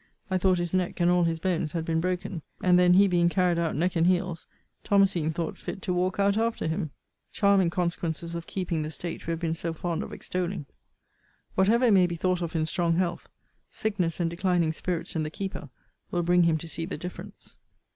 I thought his neck and all his bones had been broken. And then, he being carried out neck and heels, Thomasine thought fit to walk out after him. Charming consequences of keeping; the state we have been so fond of extolling! Whatever it may be thought of in strong health, sickness and declining spirits in the keeper will bring him to see the difference.